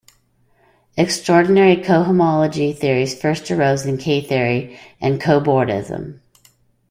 Extraordinary cohomology theories first arose in K-theory and cobordism.